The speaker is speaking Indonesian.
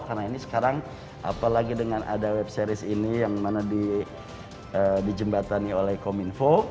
karena ini sekarang apalagi dengan ada webseries ini yang mana di jembatani oleh kominfo